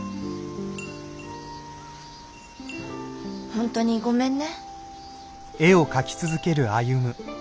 本当にごめんね。